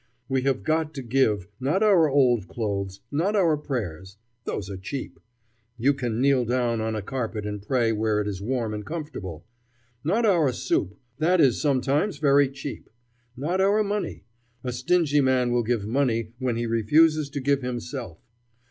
We have got to give, not our old clothes, not our prayers. Those are cheap. You can kneel down on a carpet and pray where it is warm and comfortable. Not our soup that is sometimes very cheap. Not our money a stingy man will give money when he refuses to give himself.